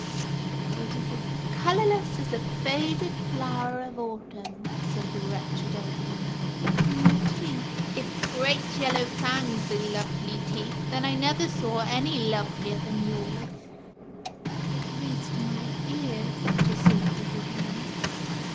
" Is as colorless as a faded flower of autumn," said the wretched old woman. " My teeth "—" If great yellow fangs are lovely teeth, then I never saw any lovelier than yours." "At least my ears "— Jacintha began.